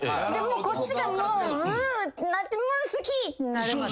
こっちがもう「う」ってなって「好き！」ってなるまで？